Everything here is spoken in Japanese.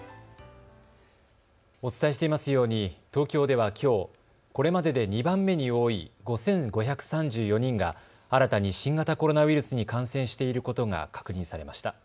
お伝えしていますように東京ではきょうこれまでで２番目に多い５５３４人が新たに新型コロナウイルスに感染していることが確認されました。